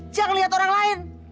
jangan lihat orang lain